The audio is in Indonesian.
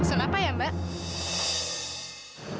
pesel apa ya mbak